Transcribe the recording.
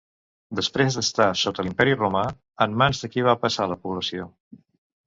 Després d'estar sota l'imperi romà, en mans de qui va passar la població?